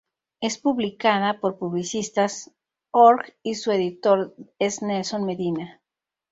Es publicada por Publicistas.org y su editor es Nelson Medina.